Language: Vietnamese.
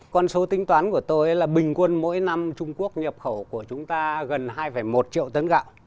con số tính toán của tôi là bình quân mỗi năm trung quốc nhập khẩu của chúng ta gần hai một triệu tấn gạo